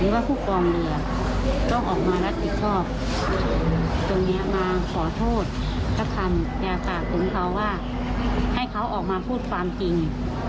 รับคำและแปลภาพกลุ่มเขาให้เขาออกมาพูดความจริง